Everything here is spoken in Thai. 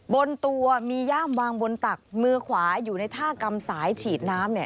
บนตัวมีย่ามวางบนตักมือขวาอยู่ในท่ากรรมสายฉีดน้ำ